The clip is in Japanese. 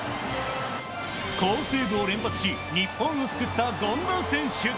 好セーブを連発し日本を救った権田選手。